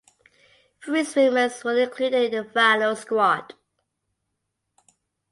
Three swimmers were included in the final squad.